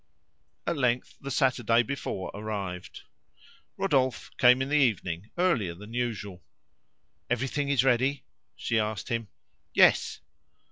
At length the Saturday before arrived. Rodolphe came in the evening earlier than usual. "Everything is ready?" she asked him. "Yes."